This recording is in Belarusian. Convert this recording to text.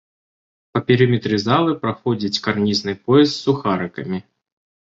Па перыметры залы праходзіць карнізны пояс з сухарыкамі.